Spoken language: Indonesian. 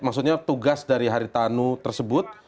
maksudnya tugas dari haritanu tersebut